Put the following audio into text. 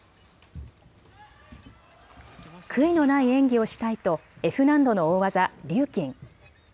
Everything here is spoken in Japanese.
悔いのない演技をしたいとＦ難度の大技、リューキン。